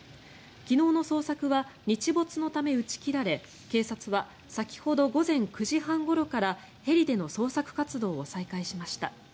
昨日の捜索は日没のため打ち切られ警察は先ほど午前９時半ごろからヘリでの捜索活動を再開しました。